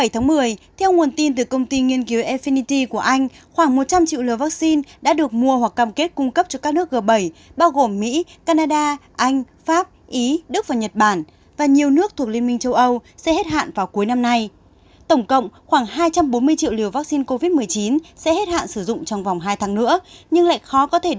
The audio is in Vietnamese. hãy đăng ký kênh để ủng hộ kênh của chúng mình nhé